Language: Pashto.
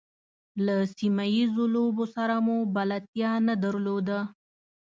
له سیمه ییزو لوبو سره مو بلدتیا نه درلوده.